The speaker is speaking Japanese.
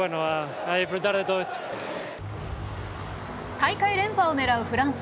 大会連覇を狙うフランス。